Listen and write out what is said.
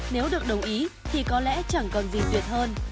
nếu được đồng ý thì có lẽ chẳng còn gì tuyệt hơn